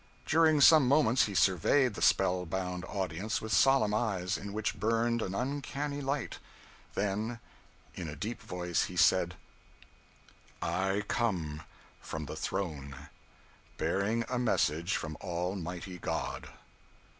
During some moments he surveyed the spellbound audience with solemn eyes, in which burned an uncanny light; then in a deep voice he said: "I come from the Throne – bearing a message from Almighty God!"